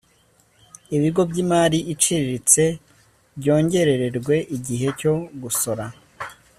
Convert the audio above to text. ibigo by imari iciriritse byongerererwe igihe cyo gusora